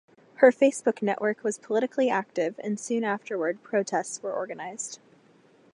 Her Facebook network was politically active and soon afterward protests were organized.